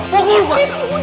pokok lu bang